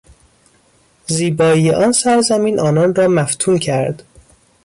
زیبایی آن سرزمین آنان را مفتون کرد.